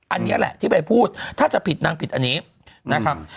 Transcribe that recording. อันนี้แหละที่ไปพูดถ้าจะผิดนางผิดอันนี้นะครับ